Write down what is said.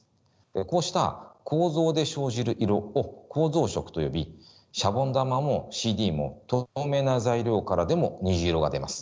こうした構造で生じる色を構造色と呼びシャボン玉もＣＤも透明な材料からでも虹色が出ます。